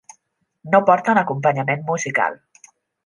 No porten acompanyament musical.